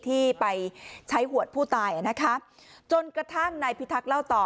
ที่ไปใช้หวดผู้ตายอ่ะนะคะจนกระทั่งนายพิทักษ์เล่าต่อ